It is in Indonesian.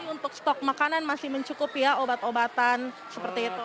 untuk stok makanan masih mencukupi ya obat obatan seperti itu